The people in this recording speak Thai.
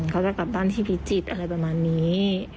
เขาจะกลับบ้านที่พิจิตรอะไรประมาณนี้